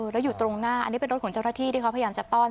แล้วอยู่ตรงหน้าอันนี้เป็นรถของเจ้าหน้าที่ที่เขาพยายามจะต้อน